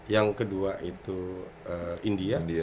yang kedua itu india